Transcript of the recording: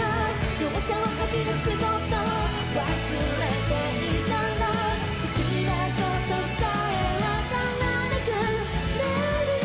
弱さを吐き出すこと忘れていたら好きなことさえわからなくなるよ